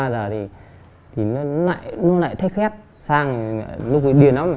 cái điện thoại của quán